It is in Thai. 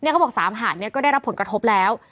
เขาบอก๓หาดนี้ก็ได้รับผลกระทบแล้ว